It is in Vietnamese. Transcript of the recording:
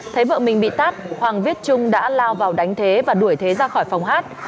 thấy vợ mình bị tát hoàng viết trung đã lao vào đánh thế và đuổi thế ra khỏi phòng hát